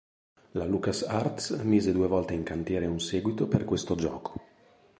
La Lucas Arts mise due volte in cantiere un seguito per questo gioco.